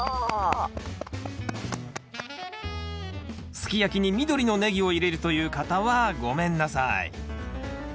すき焼きに緑のネギを入れるという方はごめんなさい。